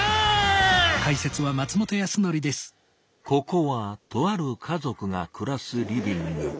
ここはとある家族がくらすリビング。